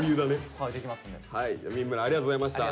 三村ありがとうございました。